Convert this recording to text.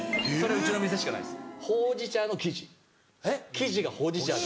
生地がほうじ茶。